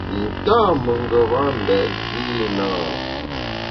Nta mengeba mbèt vi i na?